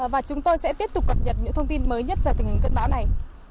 và chúng tôi sẽ tiếp tục cập nhật những thông tin mới nhất về tình hình cơn bão này